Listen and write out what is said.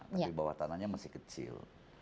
tapi bawah tanahnya masih kecil